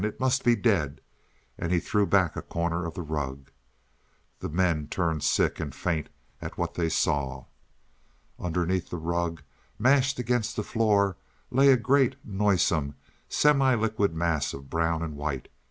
"It must be dead"; and he threw back a corner of the rug. The men turned sick and faint at what they saw. Underneath the rug, mashed against the floor, lay a great, noisome, semi liquid mass of brown and white.